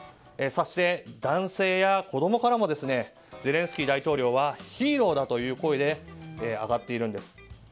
そして男性や子供からもゼレンスキー大統領はヒーローだという声が上がっているんです。